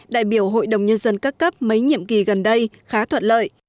đồng hành nhân dân các cấp mấy nhiệm kỳ gần đây khá thuận lợi